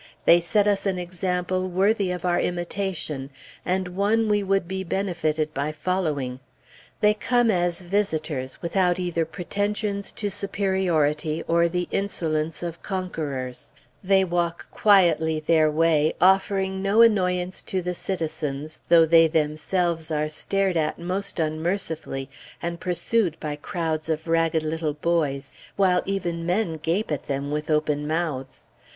They set us an example worthy of our imitation, and one we would be benefited by following. They come as visitors without either pretensions to superiority, or the insolence of conquerors; they walk quietly their way, offering no annoyance to the citizens, though they themselves are stared at most unmercifully, and pursued by crowds of ragged little boys, while even men gape at them with open mouths.